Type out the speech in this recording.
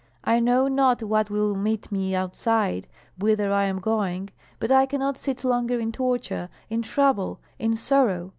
I know not what will meet me outside, whither I am going. But I cannot sit longer in torture, in trouble, in sorrow.